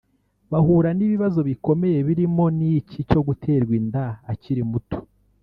bahura n’ibibazo bikomeye birimo n’iki cyo guterwa inda akiri muto